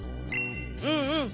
うんうん。